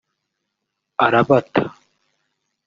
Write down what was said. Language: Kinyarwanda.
arabata